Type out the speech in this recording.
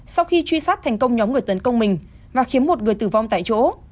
sau khi truy sát thành công nhóm người tấn công mình và khiến một người tử vong tại chỗ